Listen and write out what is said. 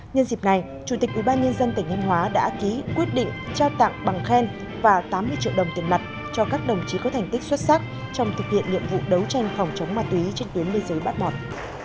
nhân dịp này chủ tịch ubnd tỉnh thanh hóa đã ký quyết định trao tặng bằng khen và tám mươi triệu đồng tiền mặt cho các đồng chí có thành tích xuất sắc trong thực hiện nhiệm vụ đấu tranh phòng chống ma túy trên tuyến biên giới bát mọt